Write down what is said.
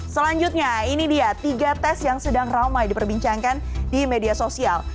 selanjutnya ini dia tiga tes yang sedang ramai diperbincangkan di media sosial